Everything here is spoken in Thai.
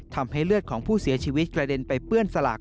ทำให้เลือดของผู้เสียชีวิตกระเด็นไปเปื้อนสลาก